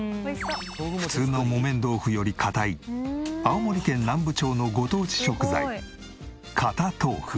普通の木綿豆腐より硬い青森県南部町のご当地食材堅豆腐。